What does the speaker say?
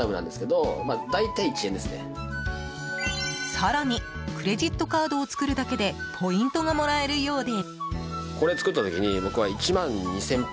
更にクレジットカードを作るだけでポイントがもらえるようで。